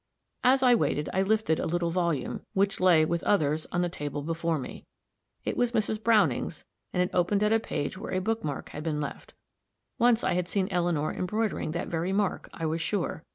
As I waited, I lifted a little volume, which lay, with others, on the table before me. It was Mrs. Browning's, and it opened at a page where a book mark had been left once I had seen Eleanor embroidering that very mark, I was sure.